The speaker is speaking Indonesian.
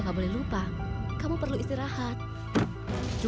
tapi ibu perlu tahu